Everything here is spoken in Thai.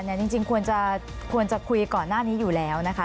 จริงควรจะคุยก่อนหน้านี้อยู่แล้วนะคะ